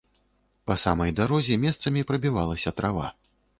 Па самай дарозе месцамі прабівалася трава.